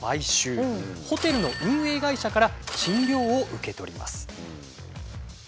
ホテルの運営会社から賃料を受け取ります。